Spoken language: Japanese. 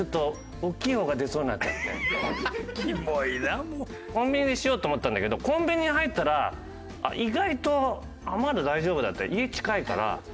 俺この間コンビニでしようと思ったんだけどコンビニに入ったら意外とまだ大丈夫だって。